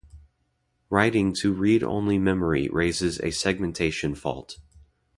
Writing to read-only memory raises a segmentation fault.